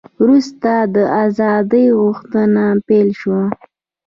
وروسته د ازادۍ غوښتنه پیل شوه.